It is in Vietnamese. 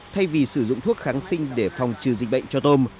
thay vì sử dụng thuốc kháng sinh để phòng trừ dịch bệnh cho tôm